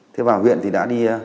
thế vào huyện thì đã đi